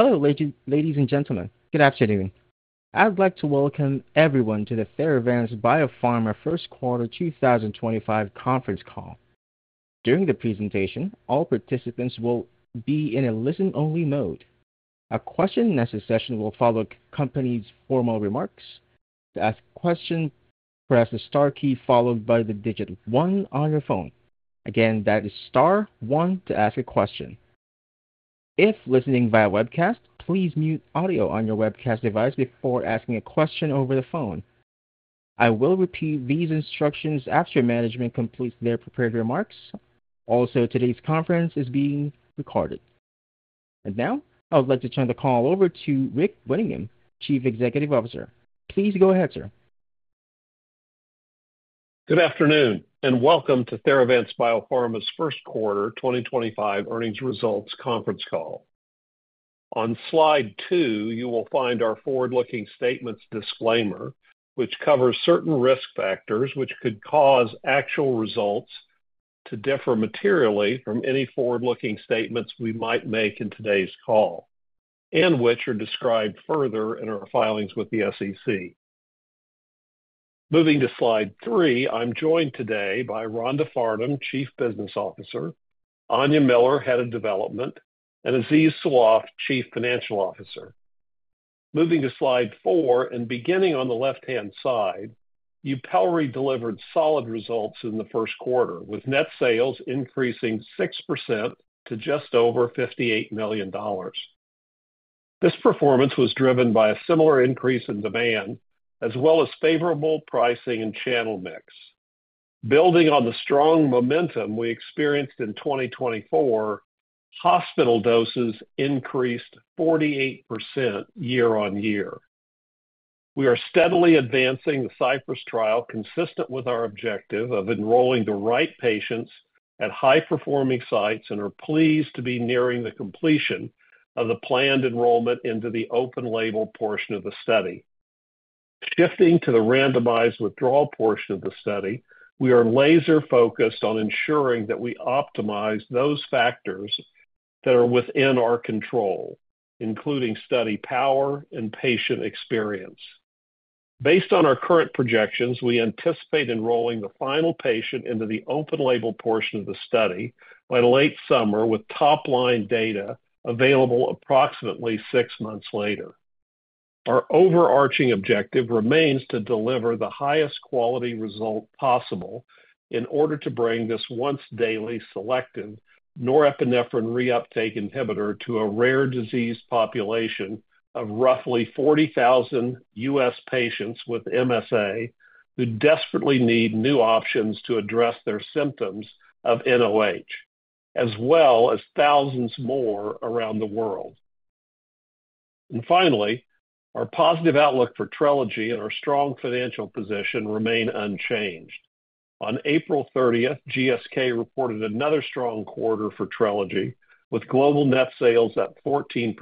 Hello, ladies and gentlemen. Good afternoon. I'd like to welcome everyone to the Theravance Biopharma first quarter 2025 conference call. During the presentation, all participants will be in a listen-only mode. A question-and-answer session will follow companies' formal remarks. To ask a question, press the star key followed by the digit one on your phone. Again, that is star one to ask a question. If listening via webcast, please mute audio on your webcast device before asking a question over the phone. I will repeat these instructions after management completes their prepared remarks. Also, today's conference is being recorded. I would like to turn the call over to Rick Winningham, Chief Executive Officer. Please go ahead, sir. Good afternoon and welcome to Theravance Biopharma's first quarter 2025 earnings results conference call. On slide two, you will find our forward-looking statements disclaimer, which covers certain risk factors which could cause actual results to differ materially from any forward-looking statements we might make in today's call, and which are described further in our filings with the SEC. Moving to slide three, I'm joined today by Rhonda Farnum, Chief Business Officer; Áine Miller, Head of Development; and Aziz Sawaf, Chief Financial Officer. Moving to slide four, and beginning on the left-hand side, YUPELRI delivered solid results in the first quarter, with net sales increasing 6% to just over $58 million. This performance was driven by a similar increase in demand, as well as favorable pricing and channel mix. Building on the strong momentum we experienced in 2024, hospital doses increased 48% year on year. We are steadily advancing the CYPRESS trial, consistent with our objective of enrolling the right patients at high-performing sites, and are pleased to be nearing the completion of the planned enrollment into the open-label portion of the study. Shifting to the randomized withdrawal portion of the study, we are laser-focused on ensuring that we optimize those factors that are within our control, including study power and patient experience. Based on our current projections, we anticipate enrolling the final patient into the open-label portion of the study by late summer, with top-line data available approximately six months later. Our overarching objective remains to deliver the highest quality result possible in order to bring this once-daily selective norepinephrine reuptake inhibitor to a rare disease population of roughly 40,000 U.S. patients with MSA who desperately need new options to address their symptoms of nOH, as well as thousands more around the world. Finally, our positive outlook for TRELEGY and our strong financial position remain unchanged. On April 30th, GSK reported another strong quarter for TRELEGY, with global net sales at 14%,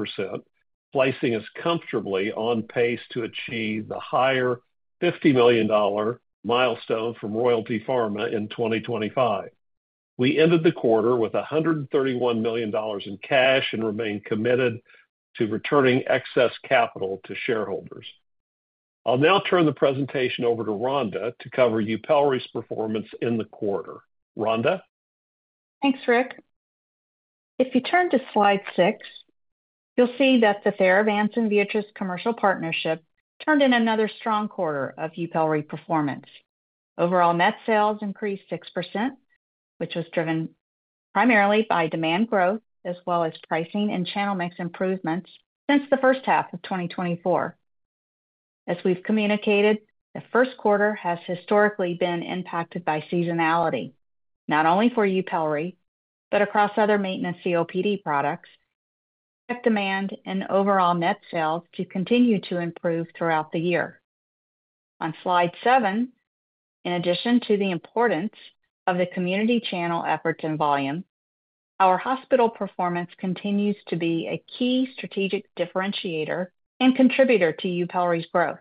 placing us comfortably on pace to achieve the higher $50 million milestone from Royalty Pharma in 2025. We ended the quarter with $131 million in cash and remain committed to returning excess capital to shareholders. I'll now turn the presentation over to Rhonda to cover YUPELRI's performance in the quarter. Rhonda? Thanks, Rick. If you turn to slide six, you'll see that the Theravance and Viatris commercial partnership turned in another strong quarter of YUPELRI performance. Overall net sales increased 6%, which was driven primarily by demand growth, as well as pricing and channel mix improvements since the first half of 2024. As we've communicated, the first quarter has historically been impacted by seasonality, not only for YUPELRI, but across other maintenance COPD products. Check demand and overall net sales to continue to improve throughout the year. On slide seven, in addition to the importance of the community channel efforts and volume, our hospital performance continues to be a key strategic differentiator and contributor to YUPELRI's growth.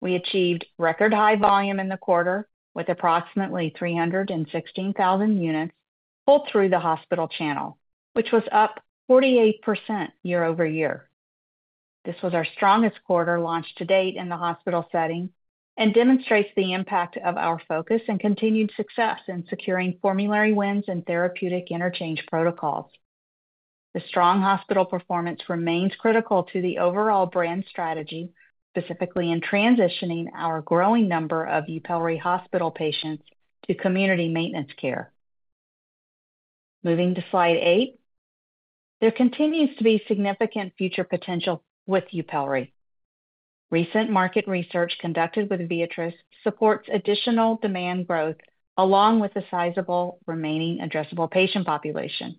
We achieved record-high volume in the quarter, with approximately 316,000 units pulled through the hospital channel, which was up 48% year-over-year. This was our strongest quarter launched to date in the hospital setting and demonstrates the impact of our focus and continued success in securing formulary wins and therapeutic interchange protocols. The strong hospital performance remains critical to the overall brand strategy, specifically in transitioning our growing number of YUPELRI hospital patients to community maintenance care. Moving to slide eight, there continues to be significant future potential with YUPELRI. Recent market research conducted with Viatris supports additional demand growth, along with a sizable remaining addressable patient population.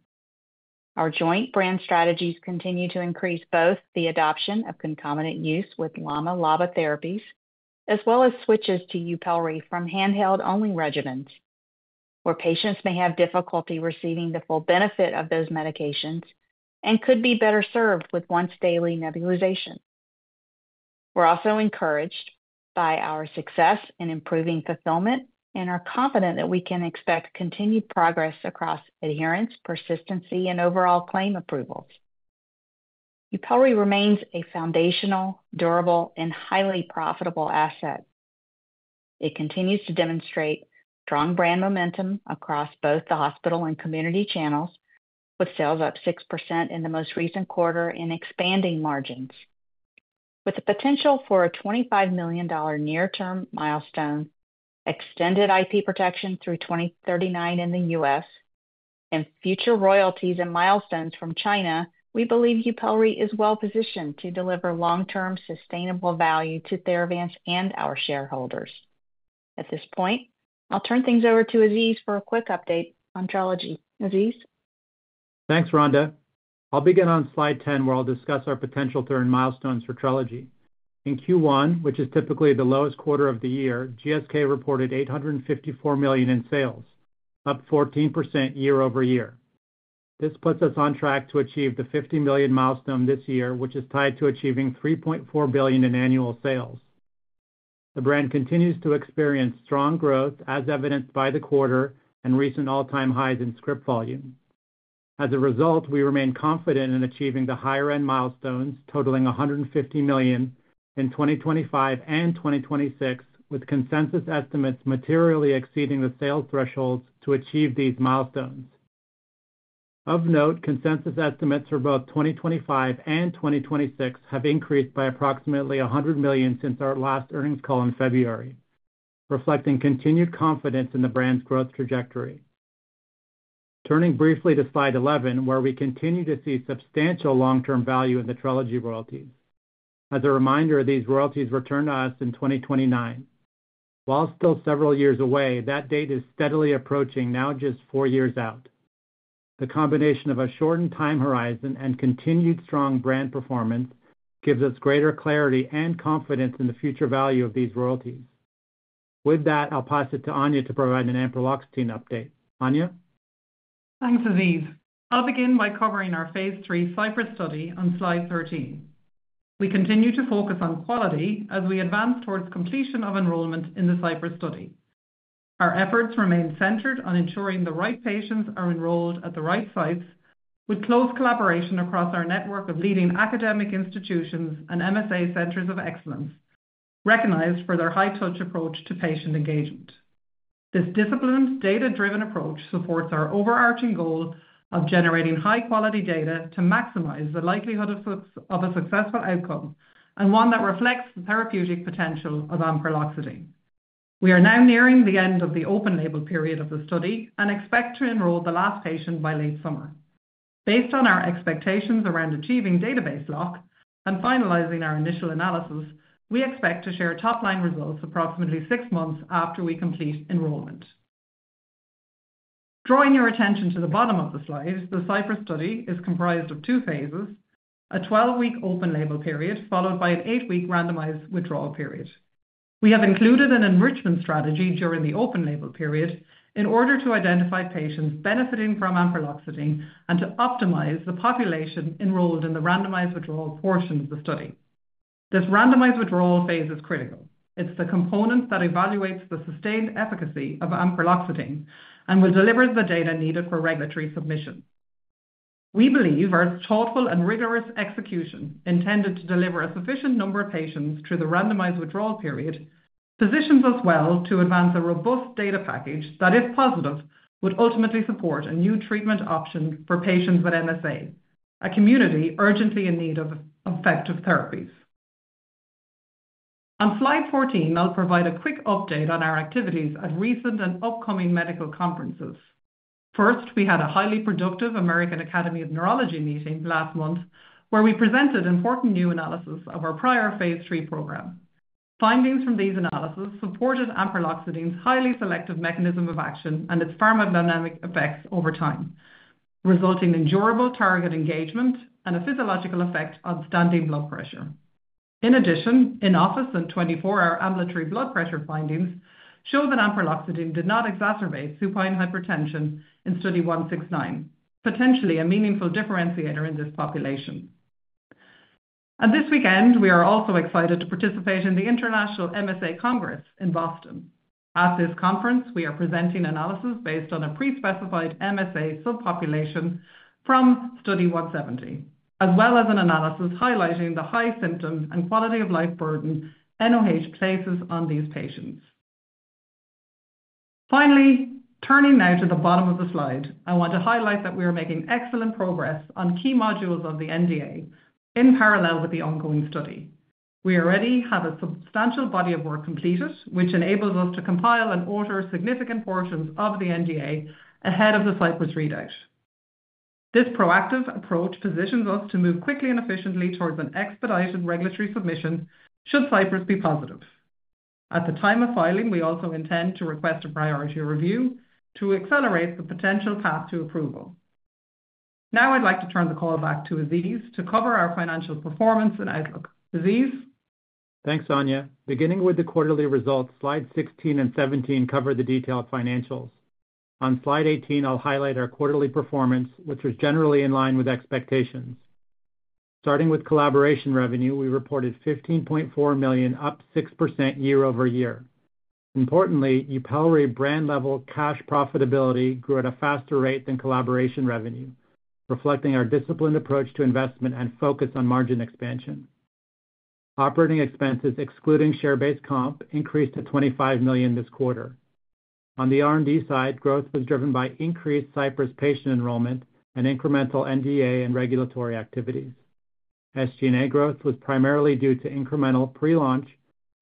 Our joint brand strategies continue to increase both the adoption of concomitant use with LAMA/LABA therapies, as well as switches to YUPELRI from handheld-only regimens, where patients may have difficulty receiving the full benefit of those medications and could be better served with once-daily nebulization. We're also encouraged by our success in improving fulfillment, and are confident that we can expect continued progress across adherence, persistency, and overall claim approvals. YUPELRI remains a foundational, durable, and highly profitable asset. It continues to demonstrate strong brand momentum across both the hospital and community channels, with sales up 6% in the most recent quarter and expanding margins. With the potential for a $25 million near-term milestone, extended IP protection through 2039 in the U.S., and future royalties and milestones from China, we believe YUPELRI is well-positioned to deliver long-term sustainable value to Theravance and our shareholders. At this point, I'll turn things over to Aziz for a quick update on TRELEGY. Aziz? Thanks, Rhonda. I'll begin on slide 10, where I'll discuss our potential-turn milestones for TRELEGY. In Q1, which is typically the lowest quarter of the year, GSK reported $854 million in sales, up 14% year-over-year. This puts us on track to achieve the $50 million milestone this year, which is tied to achieving $3.4 billion in annual sales. The brand continues to experience strong growth, as evidenced by the quarter and recent all-time highs in script volume. As a result, we remain confident in achieving the higher-end milestones, totaling $150 million in 2025 and 2026, with consensus estimates materially exceeding the sales thresholds to achieve these milestones. Of note, consensus estimates for both 2025 and 2026 have increased by approximately $100 million since our last earnings call in February, reflecting continued confidence in the brand's growth trajectory. Turning briefly to slide 11, where we continue to see substantial long-term value in the TRELEGY royalties. As a reminder, these royalties return to us in 2029. While still several years away, that date is steadily approaching now just four years out. The combination of a shortened time horizon and continued strong brand performance gives us greater clarity and confidence in the future value of these royalties. With that, I'll pass it to Áine to provide an ampreloxetine update. Áine? Thanks, Aziz. I'll begin by covering our phase III CYPRESS study on slide 13. We continue to focus on quality as we advance towards completion of enrollment in the CYPRESS study. Our efforts remain centered on ensuring the right patients are enrolled at the right sites, with close collaboration across our network of leading academic institutions and MSA centers of excellence, recognized for their high-touch approach to patient engagement. This disciplined, data-driven approach supports our overarching goal of generating high-quality data to maximize the likelihood of a successful outcome, and one that reflects the therapeutic potential of ampreloxetine. We are now nearing the end of the open-label period of the study and expect to enroll the last patient by late summer. Based on our expectations around achieving database lock and finalizing our initial analysis, we expect to share top-line results approximately six months after we complete enrollment. Drawing your attention to the bottom of the slide, the CYPRESS study is comprised of two phases: a 12-week open-label period followed by an 8-week randomized withdrawal period. We have included an enrichment strategy during the open-label period in order to identify patients benefiting from ampreloxetine and to optimize the population enrolled in the randomized withdrawal portion of the study. This randomized withdrawal phase is critical. It's the component that evaluates the sustained efficacy of ampreloxetine and will deliver the data needed for regulatory submission. We believe our thoughtful and rigorous execution, intended to deliver a sufficient number of patients through the randomized withdrawal period, positions us well to advance a robust data package that, if positive, would ultimately support a new treatment option for patients with MSA, a community urgently in need of effective therapies. On slide 14, I'll provide a quick update on our activities at recent and upcoming medical conferences. First, we had a highly productive American Academy of Neurology meeting last month, where we presented important new analysis of our prior phase III program. Findings from these analyses supported ampreloxetine's highly selective mechanism of action and its pharmacodynamic effects over time, resulting in durable target engagement and a physiological effect on standing blood pressure. In addition, in-office and 24-hour ambulatory blood pressure findings show that ampreloxetine did not exacerbate supine hypertension in Study 0169, potentially a meaningful differentiator in this population. This weekend, we are also excited to participate in the International MSA Congress in Boston. At this conference, we are presenting analysis based on a pre-specified MSA subpopulation from study 0170, as well as an analysis highlighting the high symptom and quality-of-life burden nOH places on these patients. Finally, turning now to the bottom of the slide, I want to highlight that we are making excellent progress on key modules of the NDA in parallel with the ongoing study. We already have a substantial body of work completed, which enables us to compile and author significant portions of the NDA ahead of the CYPRESS readout. This proactive approach positions us to move quickly and efficiently towards an expedited regulatory submission should CYPRESS be positive. At the time of filing, we also intend to request a priority review to accelerate the potential path to approval. Now, I'd like to turn the call back to Aziz to cover our financial performance and outlook. Aziz? Thanks, Áine. Beginning with the quarterly results, slides 16 and 17 cover the detailed financials. On slide 18, I'll highlight our quarterly performance, which was generally in line with expectations. Starting with collaboration revenue, we reported $15.4 million, up 6% year-over-year. Importantly, YUPELRI brand-level cash profitability grew at a faster rate than collaboration revenue, reflecting our disciplined approach to investment and focus on margin expansion. Operating expenses, excluding share-based comp, increased to $25 million this quarter. On the R&D side, growth was driven by increased CYPRESS patient enrollment and incremental NDA and regulatory activities. SG&A growth was primarily due to incremental pre-launch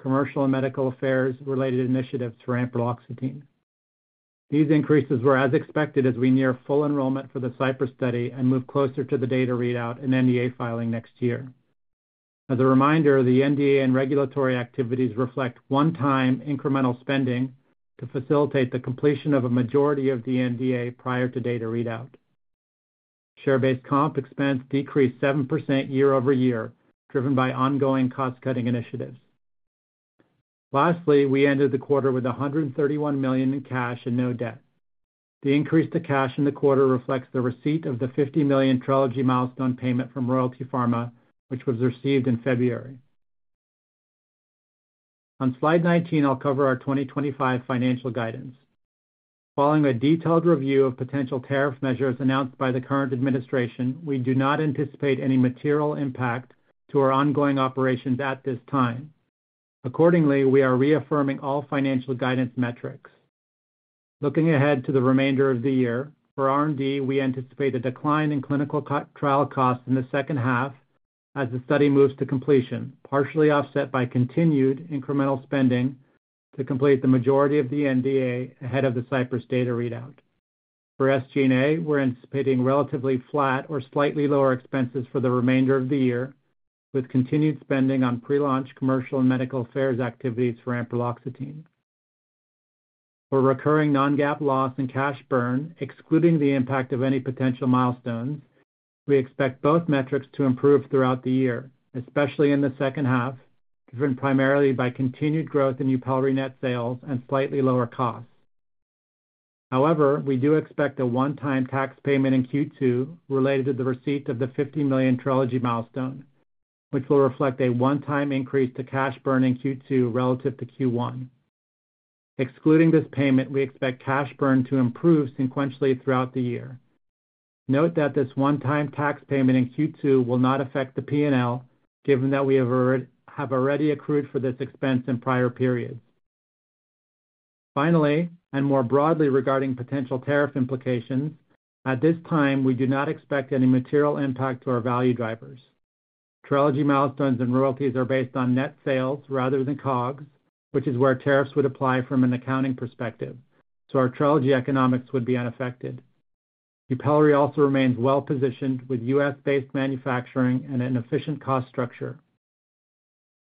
commercial and medical affairs-related initiatives for ampreloxetine. These increases were as expected as we near full enrollment for the CYPRESS study and move closer to the data readout and NDA filing next year. As a reminder, the NDA and regulatory activities reflect one-time incremental spending to facilitate the completion of a majority of the NDA prior to data readout. Share-based comp expense decreased 7% year-over-year, driven by ongoing cost-cutting initiatives. Lastly, we ended the quarter with $131 million in cash and no debt. The increase to cash in the quarter reflects the receipt of the $50 million TRELEGY milestone payment from Royalty Pharma, which was received in February. On slide 19, I'll cover our 2025 financial guidance. Following a detailed review of potential tariff measures announced by the current administration, we do not anticipate any material impact to our ongoing operations at this time. Accordingly, we are reaffirming all financial guidance metrics. Looking ahead to the remainder of the year, for R&D, we anticipate a decline in clinical trial costs in the second half as the study moves to completion, partially offset by continued incremental spending to complete the majority of the NDA ahead of the CYPRESS data readout. For SG&A, we're anticipating relatively flat or slightly lower expenses for the remainder of the year, with continued spending on pre-launch commercial and medical affairs activities for ampreloxetine. For recurring non-GAAP loss and cash burn, excluding the impact of any potential milestones, we expect both metrics to improve throughout the year, especially in the second half, driven primarily by continued growth in YUPELRI net sales and slightly lower costs. However, we do expect a one-time tax payment in Q2 related to the receipt of the $50 million TRELEGY milestone, which will reflect a one-time increase to cash burn in Q2 relative to Q1. Excluding this payment, we expect cash burn to improve sequentially throughout the year. Note that this one-time tax payment in Q2 will not affect the P&L, given that we have already accrued for this expense in prior periods. Finally, and more broadly regarding potential tariff implications, at this time, we do not expect any material impact to our value drivers. TRELEGY milestones and royalties are based on net sales rather than COGS, which is where tariffs would apply from an accounting perspective, so our TRELEGY economics would be unaffected. YUPELRI also remains well-positioned with U.S.-based manufacturing and an efficient cost structure.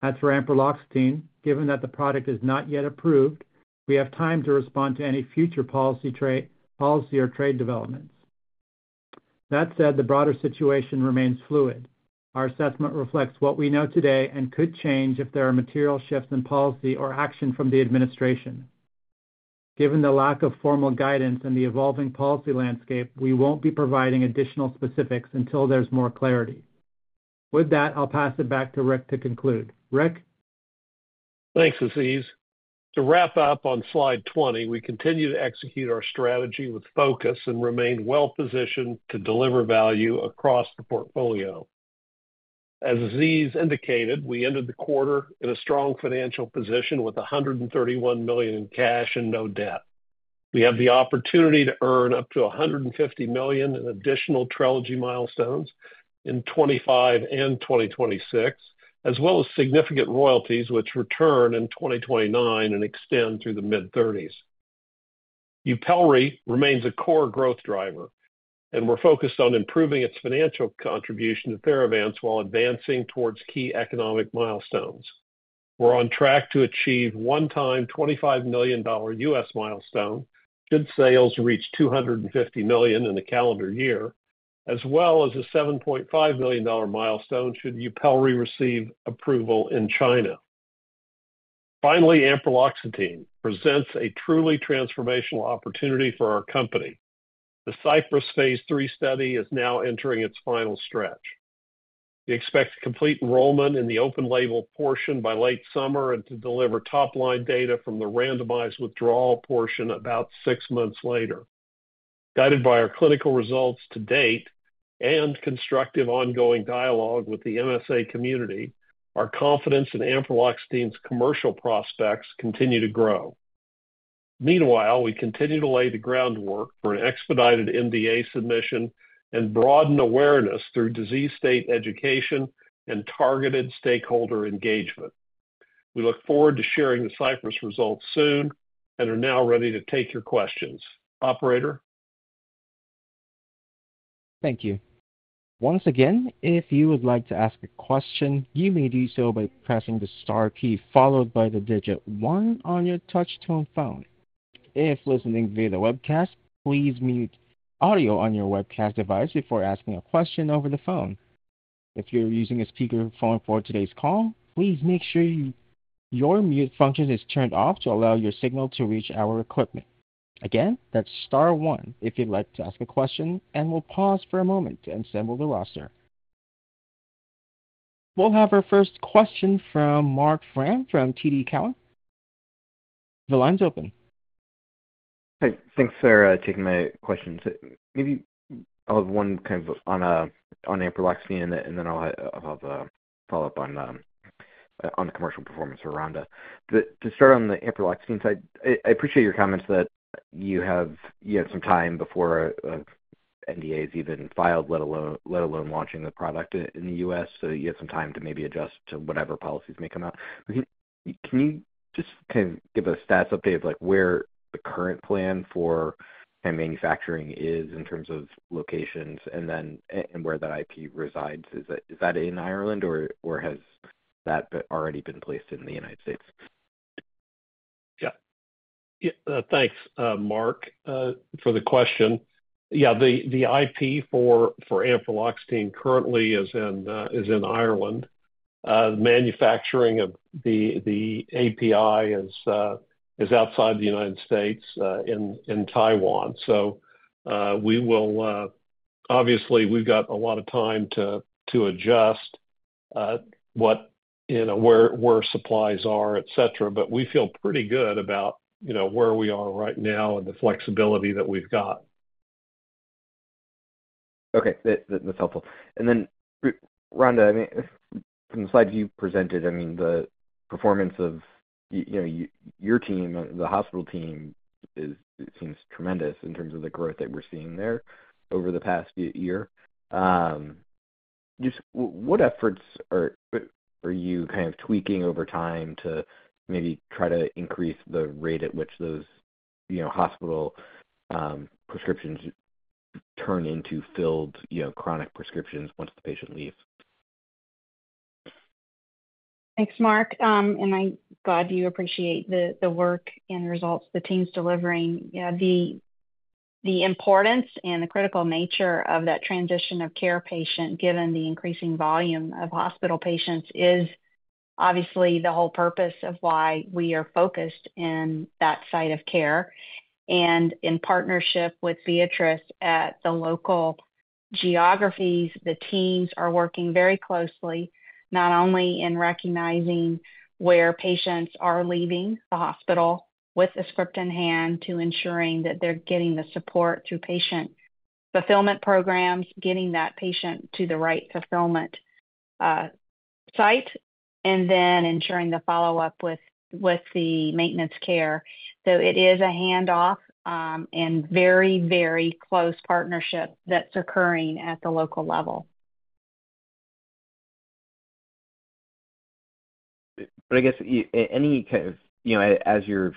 As for ampreloxetine, given that the product is not yet approved, we have time to respond to any future policy or trade developments. That said, the broader situation remains fluid. Our assessment reflects what we know today and could change if there are material shifts in policy or action from the administration. Given the lack of formal guidance and the evolving policy landscape, we won't be providing additional specifics until there's more clarity. With that, I'll pass it back to Rick to conclude. Rick? Thanks, Aziz. To wrap up on slide 20, we continue to execute our strategy with focus and remain well-positioned to deliver value across the portfolio. As Aziz indicated, we ended the quarter in a strong financial position with $131 million in cash and no debt. We have the opportunity to earn up to $150 million in additional TRELEGY milestones in 2025 and 2026, as well as significant royalties, which return in 2029 and extend through the mid-2030s. YUPELRI remains a core growth driver, and we're focused on improving its financial contribution to Theravance while advancing towards key economic milestones. We're on track to achieve a one-time $25 million U.S. milestone should sales reach $250 million in the calendar year, as well as a $7.5 million milestone should YUPELRI receive approval in China. Finally, ampreloxetine presents a truly transformational opportunity for our company. The CYPRESS phase III study is now entering its final stretch. We expect complete enrollment in the open-label portion by late summer and to deliver top-line data from the randomized withdrawal portion about six months later. Guided by our clinical results to date and constructive ongoing dialogue with the MSA community, our confidence in ampreloxetine's commercial prospects continues to grow. Meanwhile, we continue to lay the groundwork for an expedited NDA submission and broaden awareness through disease state education and targeted stakeholder engagement. We look forward to sharing the CYPRESS results soon and are now ready to take your questions. Operator? Thank you. Once again, if you would like to ask a question, you may do so by pressing the star key followed by the digit one on your touch-tone phone. If listening via the webcast, please mute audio on your webcast device before asking a question over the phone. If you're using a speakerphone for today's call, please make sure your mute function is turned off to allow your signal to reach our equipment. Again, that's star one if you'd like to ask a question, and we'll pause for a moment to assemble the roster. We'll have our first question from Marc Frahm from TD Cowen. The line's open. Hey, thanks for taking my question. Maybe I'll have one kind of on ampreloxetine, and then I'll have a follow-up on the commercial performance around it. To start on the ampreloxetine side, I appreciate your comments that you have some time before NDA is even filed, let alone launching the product in the U.S., so you have some time to maybe adjust to whatever policies may come out. Can you just kind of give a status update of where the current plan for manufacturing is in terms of locations and where that IP resides? Is that in Ireland, or has that already been placed in the United States? Yeah. Thanks, Marc, for the question. Yeah, the IP for ampreloxetine currently is in Ireland. Manufacturing of the API is outside the U.S. in Taiwan. Obviously, we've got a lot of time to adjust where supplies are, etc., but we feel pretty good about where we are right now and the flexibility that we've got. Okay. That's helpful. Rhonda, from the slides you presented, I mean, the performance of your team, the hospital team, seems tremendous in terms of the growth that we're seeing there over the past year. What efforts are you kind of tweaking over time to maybe try to increase the rate at which those hospital prescriptions turn into filled chronic prescriptions once the patient leaves? Thanks, Marc. I'm glad you appreciate the work and results the team's delivering. The importance and the critical nature of that transition of care patient, given the increasing volume of hospital patients, is obviously the whole purpose of why we are focused in that site of care. In partnership with Viatris at the local geographies, the teams are working very closely, not only in recognizing where patients are leaving the hospital with a script in hand, to ensuring that they're getting the support through patient fulfillment programs, getting that patient to the right fulfillment site, and then ensuring the follow-up with the maintenance care. It is a handoff and very, very close partnership that's occurring at the local level. I guess, as you're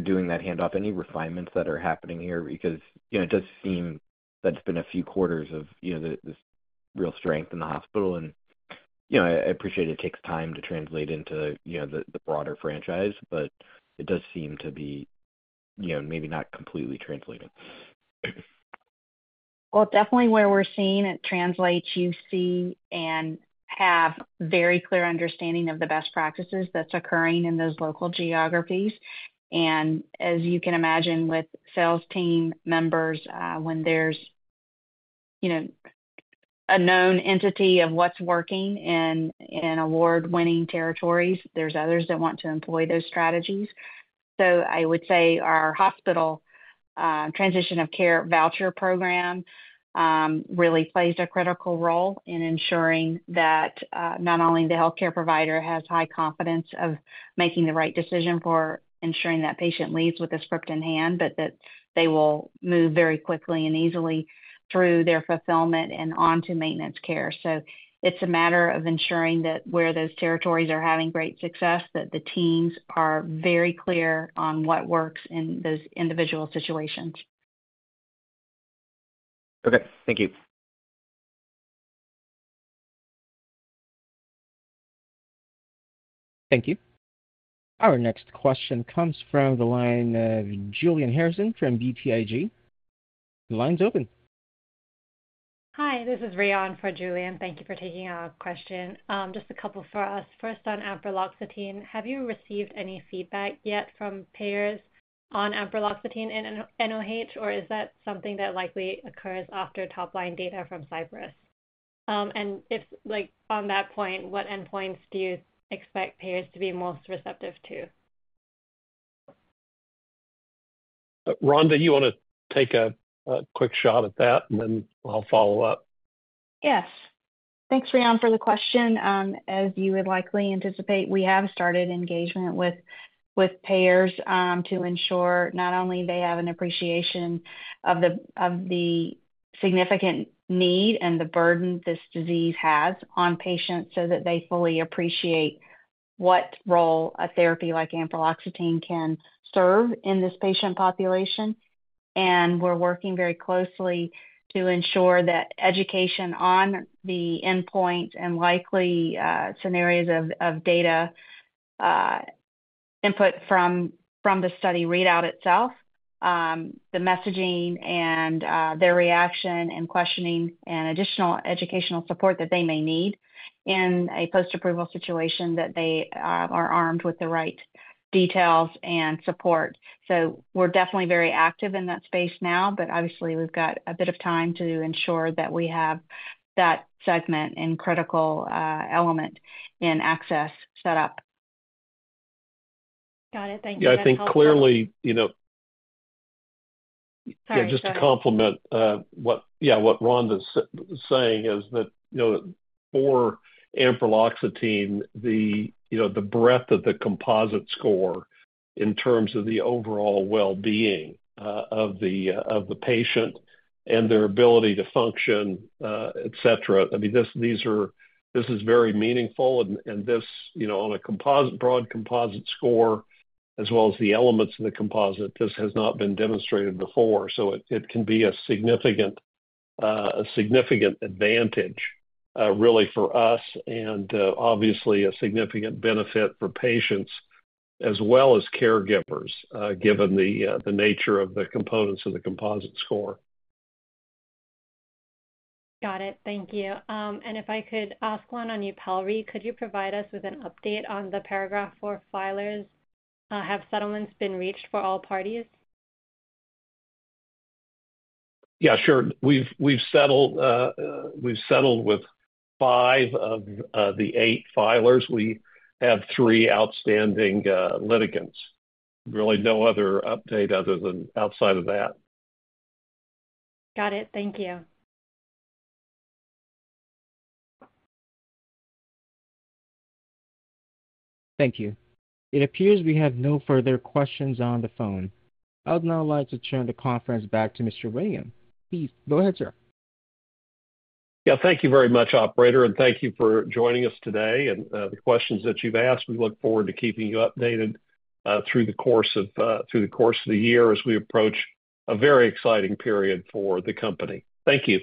doing that handoff, any refinements that are happening here? Because it does seem that it's been a few quarters of this real strength in the hospital. I appreciate it takes time to translate into the broader franchise, but it does seem to be maybe not completely translating. Definitely where we're seeing it translates, you see and have very clear understanding of the best practices that's occurring in those local geographies. As you can imagine with sales team members, when there's a known entity of what's working in award-winning territories, there's others that want to employ those strategies. I would say our hospital transition of care voucher program really plays a critical role in ensuring that not only the healthcare provider has high confidence of making the right decision for ensuring that patient leaves with a script in hand, but that they will move very quickly and easily through their fulfillment and on to maintenance care. It's a matter of ensuring that where those territories are having great success, the teams are very clear on what works in those individual situations. Okay. Thank you. Thank you. Our next question comes from the line of Julian Harrison from BTIG. The line's open. Hi, this is Rheon for Julian. Thank you for taking our question. Just a couple for us. First, on ampreloxetine, have you received any feedback yet from payers on ampreloxetine in nOH, or is that something that likely occurs after top-line data from CYPRESS? On that point, what endpoints do you expect payers to be most receptive to? Rhonda, you want to take a quick shot at that, and then I'll follow up. Yes. Thanks, Rheon, for the question. As you would likely anticipate, we have started engagement with payers to ensure not only they have an appreciation of the significant need and the burden this disease has on patients so that they fully appreciate what role a therapy like ampreloxetine can serve in this patient population. We are working very closely to ensure that education on the endpoints and likely scenarios of data input from the study readout itself, the messaging and their reaction and questioning and additional educational support that they may need in a post-approval situation that they are armed with the right details and support. We are definitely very active in that space now, but obviously, we have got a bit of time to ensure that we have that segment and critical element in access set up. Got it. Thank you. Yeah, I think clearly, just to complement what Rhonda's saying is that for ampreloxetine, the breadth of the composite score in terms of the overall well-being of the patient and their ability to function, etc., I mean, this is very meaningful. On a broad composite score, as well as the elements of the composite, this has not been demonstrated before. It can be a significant advantage really for us and obviously a significant benefit for patients as well as caregivers, given the nature of the components of the composite score. Got it. Thank you. If I could ask one on YUPELRI, could you provide us with an update on the paragraph four filers? Have settlements been reached for all parties? Yeah, sure. We've settled with five of the eight filers. We have three outstanding litigants. Really no other update other than outside of that. Got it. Thank you. Thank you. It appears we have no further questions on the phone. I would now like to turn the conference back to Mr. Winningham. Please go ahead, sir. Yeah, thank you very much, Operator, and thank you for joining us today. The questions that you've asked, we look forward to keeping you updated through the course of the year as we approach a very exciting period for the company. Thank you.